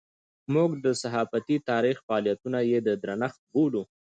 موږ د صحافتي تاریخ فعالیتونه یې د درنښت بولو.